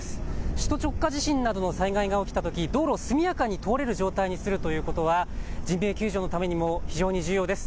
首都直下地震などの災害が起きたとき、道路を速やかに通れる状態にするということは人命救助のためにも非常に重要です。